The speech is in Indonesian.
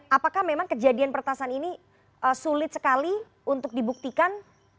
apakah memang kejadian pertasan ini sulit sekali untuk dibuktikan